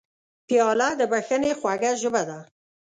پیاله د بښنې خوږه ژبه ده.